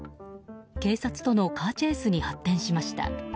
警察とのカーチェイスに発展しました。